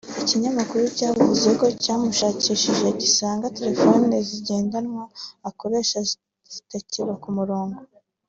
iki kinyamakuru cyavuze ko cyamushakishije gisanga telefone zigendanwa akoresha zitakiba ku murongo